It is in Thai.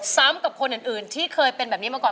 ซ้ำกับคนอื่นที่เคยเป็นแบบนี้มาก่อน